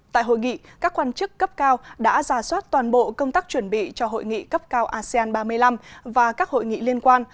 tại hội nghị các quan chức cấp cao đã ra soát toàn bộ công tác chuẩn bị cho hội nghị cấp cao asean ba mươi năm và các hội nghị liên quan